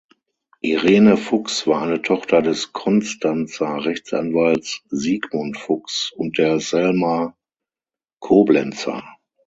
Irene Fuchs war eine Tochter des Konstanzer Rechtsanwalts Sigmund Fuchs und der Selma Koblenzer.